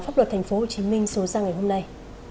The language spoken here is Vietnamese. pháp luật tp hcm số ra ngày hôm nay